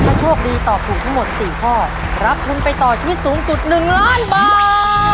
ถ้าโชคดีตอบถูกทั้งหมด๔ข้อรับทุนไปต่อชีวิตสูงสุด๑ล้านบาท